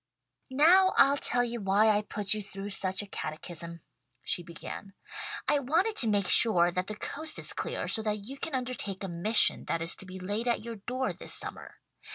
"Now I'll tell you why I put you through such a catechism," she began. "I wanted to make sure that the coast is clear, so that you can undertake a mission that is to be laid at your door this summer.